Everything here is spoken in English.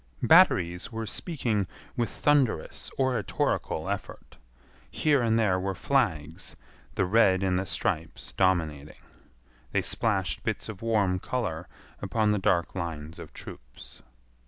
Batteries were speaking with thunderous oratorical effort. Here and there were flags, the red in the stripes dominating. They splashed bits of warm color upon the dark lines of troops.